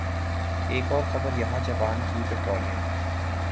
ایک اور خبر یہاں جاپان کی پٹرولیم